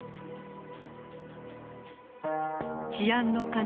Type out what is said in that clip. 治安の要